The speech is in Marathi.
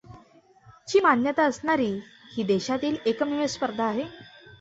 ची मान्यता असणारी ही देशातील एकमेव स्पर्धा आहे.